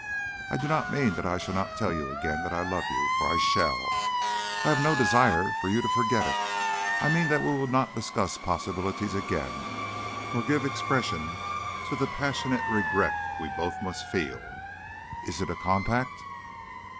I do not mean that I shall not tell you again that I love you, for I shall. I have no desire that you shall forget it. I mean that we will not discuss possibilities again, nor give expression to the passionate regret we both must feel. Is it a compact?"